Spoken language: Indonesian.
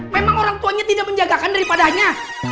memang orang tuanya tidak menjagakan daripadanya